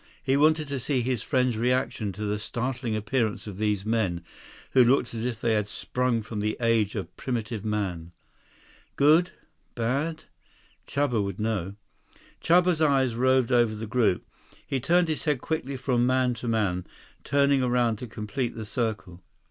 He wanted to see his friend's reaction to the startling appearance of these men who looked as if they had sprung from the age of primitive man. Good? Bad? Chuba would know. Chuba's eyes roved over the group. He turned his head quickly from man to man, turning around to complete the circle.